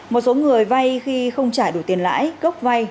một số người vay khi không trả đủ tiền lãi gốc vay